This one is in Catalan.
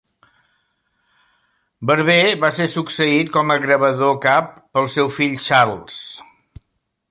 Barber va ser succeït com a gravador cap pel seu fill Charles.